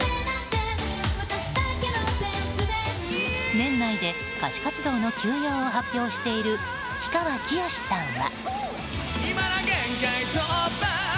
年内で歌手活動の休養を発表している氷川きよしさんは。